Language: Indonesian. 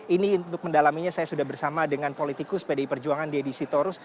ini untuk mendalaminya saya sudah bersama dengan politikus pdi perjuangan deddy sitorus